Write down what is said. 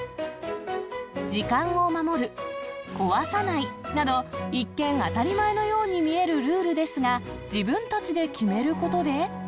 時間を守る、壊さないなど、一見当たり前のように見えるルールですが、自分たちで決めることで。